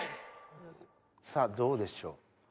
さぁどうでしょう？